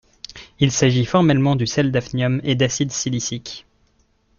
Il s'agit formellement du sel d'hafnium et d'acide silicique.